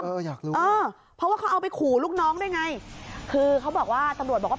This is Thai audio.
ปืนจริงปืนปลอมเพราะว่าเขาเอาไปขู่ลูกน้องได้ไงคือเขาบอกว่าตำรวจบอกว่า